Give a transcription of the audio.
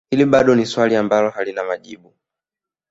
Hili bado ni swali ambalo halina majibu